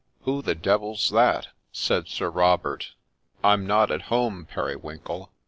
' Who the devil 's that ?' said Sir Robert. ' I'm not at home, Periwinkle.